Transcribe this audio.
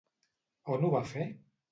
On ho va fer?